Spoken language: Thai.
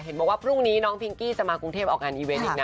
บอกว่าพรุ่งนี้น้องพิงกี้จะมากรุงเทพออกงานอีเวนต์อีกนะ